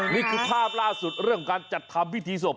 นี่คือภาพล่าสุดเรื่องของการจัดทำพิธีศพ